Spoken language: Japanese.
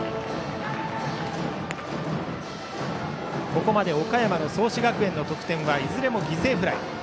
ここまで岡山の創志学園の得点はいずれも犠牲フライ。